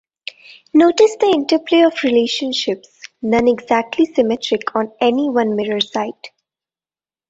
Notice the interplay of relationships, none exactly symmetric on any one mirror side.